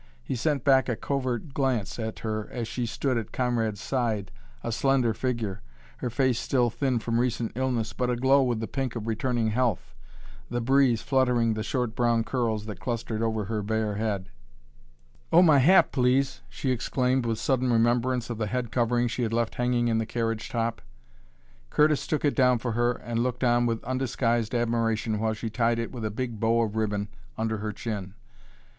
He sent back a covert glance at her as she stood at Conrad's side, a slender figure, her face still thin from recent illness but aglow with the pink of returning health, the breeze fluttering the short brown curls that clustered over her bare head. "Oh, my hat, please!" she exclaimed, with sudden remembrance of the head covering she had left hanging in the carriage top. Curtis took it down for her and looked on with undisguised admiration while she tied it with a big bow of ribbon under her chin.